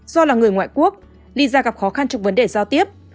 do là người ngoại quốc lisa gặp khó khăn trong vấn đề giao tiếp